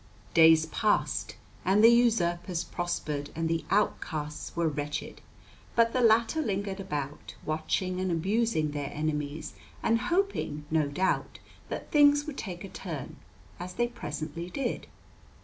Days passed, and the usurpers prospered and the outcasts were wretched; but the latter lingered about, watching and abusing their enemies, and hoping, no doubt, that things would take a turn, as they presently did.